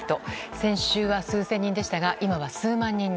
先週は数千人でしたが今は数万人に。